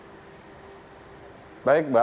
saya sudah mencari pengetahuan